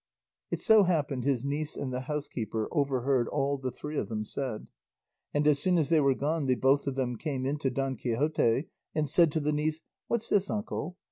It so happened his niece and the housekeeper overheard all the three of them said; and as soon as they were gone they both of them came in to Don Quixote, and said the niece, "What's this, uncle?